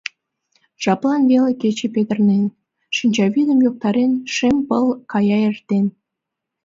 Жаплан веле кече петырнен; Шинчавӱдым йоктарен, шем пыл кая эртен.